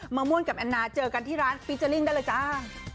มะม่วงกับแอนนาเจอกันที่ร้านฟีเจอร์ลิ่งได้เลยจ้า